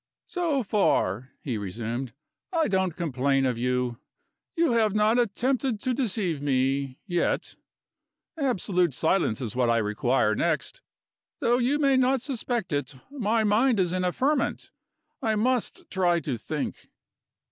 "So far," he resumed, "I don't complain of you. You have not attempted to deceive me yet. Absolute silence is what I require next. Though you may not suspect it, my mind is in a ferment; I must try to think."